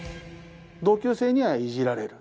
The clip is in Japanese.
同級生にはイジられる。